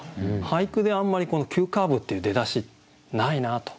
俳句であんまり「急カーブ」っていう出だしないなと。